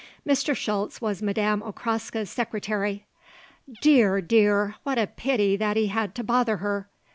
Mr. Schultz was Madame Okraska's secretary. "Dear, dear, what a pity that he had to bother her.